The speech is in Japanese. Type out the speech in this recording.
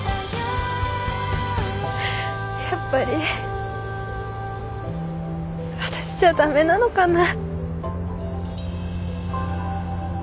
やっぱり私じゃ駄目なのかな。